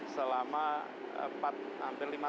selama empat hampir lima